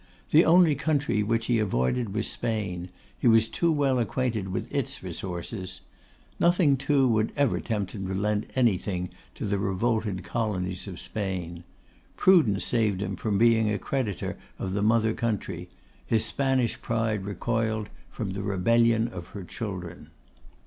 The only country which he avoided was Spain; he was too well acquainted with its resources. Nothing, too, would ever tempt him to lend anything to the revolted colonies of Spain. Prudence saved him from being a creditor of the mother country; his Spanish pride recoiled from the rebellion of her children.